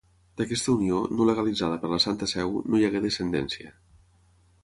D'aquesta unió, no legalitzada per la Santa Seu, no hi hagué descendència.